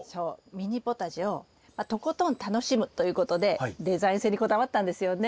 ミニポタジェをとことん楽しむということでデザイン性にこだわったんですよね。